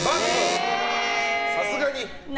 さすがに？